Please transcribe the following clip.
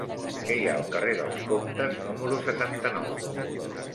Què hi ha al carrer dels Comtes número setanta-nou?